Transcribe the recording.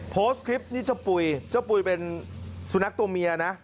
โพสต์คลิปนี่เจ้าปุ๋ยเจ้าปุ๋ยเป็นสุนัขตัวเมียนะ